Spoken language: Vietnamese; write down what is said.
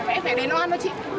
em phải để nó ăn cho chị